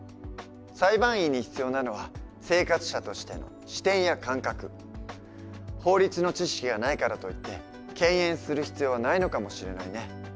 裁判員に必要なのは法律の知識がないからといって敬遠する必要はないのかもしれないね。